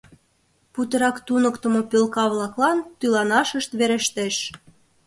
Путырак туныктымо пӧлка-влаклан тӱланашышт верештеш.